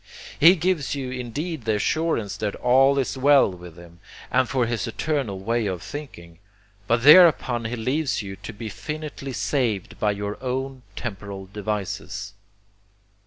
He gives you indeed the assurance that all is well with Him, and for his eternal way of thinking; but thereupon he leaves you to be finitely saved by your own temporal devices.